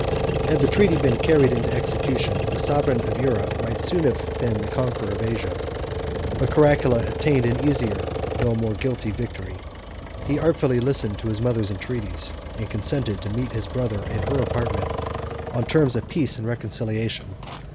] Had the treaty been carried into execution, the sovereign of Europe might soon have been the conqueror of Asia; but Caracalla obtained an easier, though a more guilty, victory. He artfully listened to his mother's entreaties, and consented to meet his brother in her apartment, on terms of peace and reconciliation.